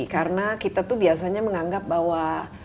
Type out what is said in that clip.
karena kita itu biasanya menganggap bahwa